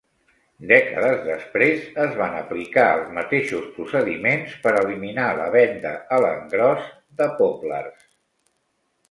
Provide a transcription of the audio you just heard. Dècades després, es van aplicar els mateixos procediments per eliminar la venda a l'engròs de Poplars.